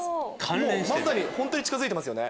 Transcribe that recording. もう本当に近づいてますよね？